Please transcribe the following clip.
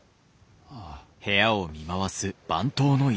ああ。